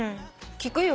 聞くよ。